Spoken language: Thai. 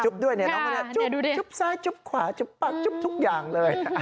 จุบด้วยเนี่ยจุบซ้ายจุบขวาจุบปากจุบทุกอย่างเลย